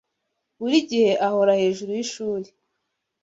Buri gihe ahora hejuru yishuri.